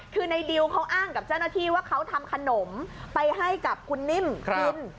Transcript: คือในดิวเขาอ้างกับเจ้าหน้าที่ว่าเขาทำขนมไปให้กับคุณนิ่มกิน